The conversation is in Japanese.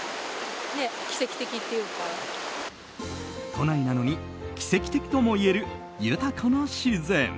都内なのに奇跡的ともいえる豊かな自然。